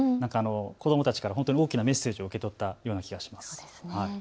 子どもたちから本当に大きなメッセージを受け取ったような気がします。